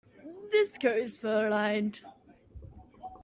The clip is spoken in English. This coat is fur-lined.